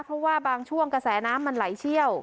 เพราะว่าบางช่วงกระแสน้ำมันไหลเชี่ยว